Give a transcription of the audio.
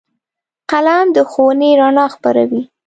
قلم د ښوونې رڼا خپروي